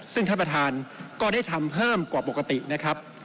ซึ่งท่านประธานก็ได้ทำเพิ่มกว่าปกตินะครับ